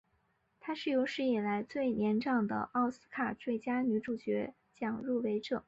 她是有史以来最年长的奥斯卡最佳女主角奖入围者。